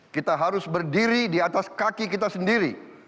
kita harus berdiri di atas kaki kita sendiri